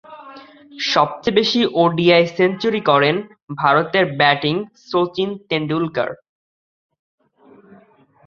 সবচেয়ে বেশি ODI century করেন ভারতের ব্যাটিং শচীন তেন্ডুলকর।